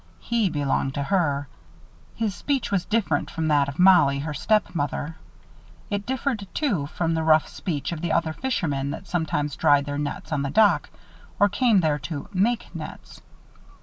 He belonged to her. His speech was different from that of Mollie, her stepmother. It differed, too, from the rough speech of the other fishermen that sometimes dried their nets on the dock, or came there to make nets.